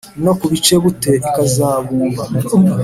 No ku bicebute ikazibumba: